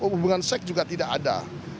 hubungan seks juga tidak ada